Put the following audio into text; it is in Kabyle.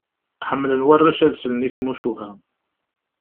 Ḥemmlen warrac ad slen i tmucuha.